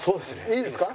いいですか？